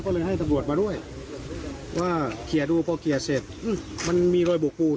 ก็เลยให้ตำรวจมาด้วยว่าเคลียร์ดูพอเคลียร์เสร็จมันมีรอยบุกปูน